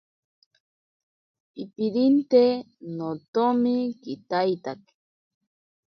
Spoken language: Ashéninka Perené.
Pipirinte notomi kitaitake.